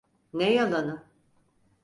Ne yalanı?